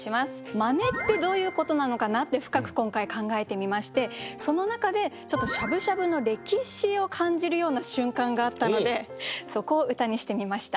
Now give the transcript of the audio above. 真似ってどういうことなのかなって深く今回考えてみましてその中でしゃぶしゃぶの歴史を感じるような瞬間があったのでそこを歌にしてみました。